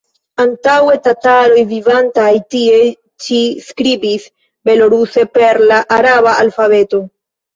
Antaŭe tataroj vivantaj tie ĉi skribis beloruse per la araba alfabeto.